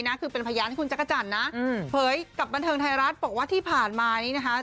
นะคือเป็นพยานให้คุณจักรจันทร์นะเผยกับบันเทิงไทยรัฐบอกว่าที่ผ่านมานี้นะคะ